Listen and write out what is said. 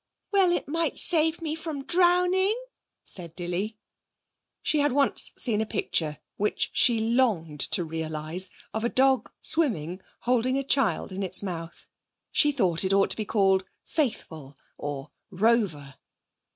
'Well, it might save me from drowning,' said Dilly. She had once seen a picture, which she longed to realise, of a dog swimming, holding a child in its mouth. She thought it ought to be called Faithful or Rover.